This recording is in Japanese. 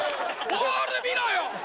ボール見ろよ！